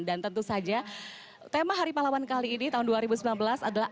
dan tentu saja tema hari pahlawan kali ini tahun dua ribu sembilan belas adalah